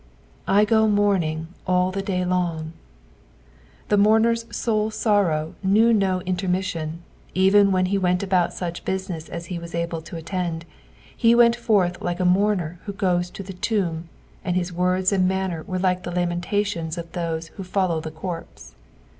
" I go mimrning all the day long." The mourner's soul sorrow knew no intermission, even wiien he went about such business as he was able to attend, he went forth like a mourner who goes to the tomb, and his words and manners were like the lamentations of those who fallow the corpac.